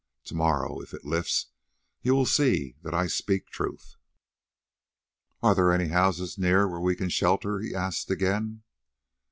To morrow, if it lifts, you will see that I speak truth." "Are there any houses near where we can shelter?" he asked again.